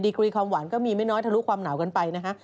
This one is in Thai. กรีความหวานก็มีไม่น้อยทะลุความหนาวกันไปนะฮะ